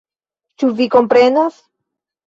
Ĉu vi komprenas?